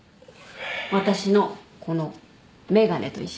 私のこの眼鏡と一緒。